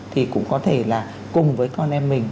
thì cũng có thể là cùng với con em mình